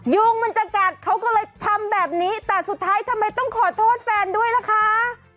ยุงมันจะกัดเขาก็เลยทำแบบนี้แต่สุดท้ายทำไมต้องขอโทษแฟนด้วยล่ะคะ